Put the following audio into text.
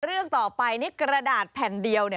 เรื่องต่อไปนี่กระดาษแผ่นเดียวเนี่ย